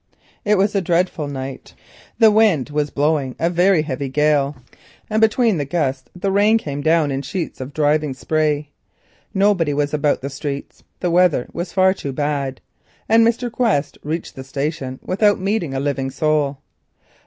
It was a dreadful night, the wind was blowing a heavy gale, and between the gusts the rain came down in sheets of driving spray. Nobody was about the streets—the weather was far too bad; and Mr. Quest reached the station without meeting a living soul.